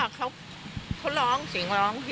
ได้ยินว่าเค้าร้องเสียงเกล